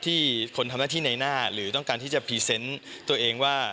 คนทำหน้าที่ในหน้าหรือต้องการที่จะพรีเซนต์ตัวเองว่า